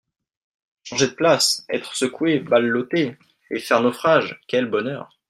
Changer de place, être secouée, bal lottée et faire naufrage, quel bonheur !